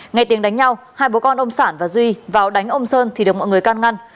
nghe tiếng đánh nhau hai bố con ông sản và duy vào đánh ông sơn thì được mọi người can ngăn